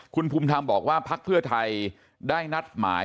คุณภูมิธรรมบอกว่าพักเพื่อไทยได้นัดหมาย